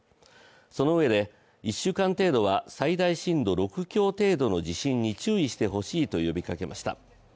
そのうえで１週間程度は最大震度６強程度の地震に注意してほしいと呼びかけました。